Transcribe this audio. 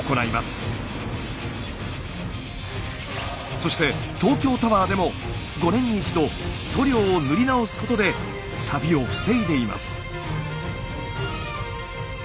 そして東京タワーでも５年に一度塗料を塗り直すことでサビを防いでいます。